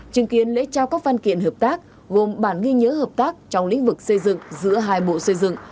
chứng kiến lễ trao các văn kiện hợp tác gồm bản ghi nhớ hợp tác trong lĩnh vực xây dựng giữa hai bộ xây dựng